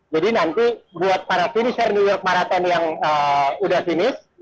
jadi nanti buat para finisher new york marathon yang udah finish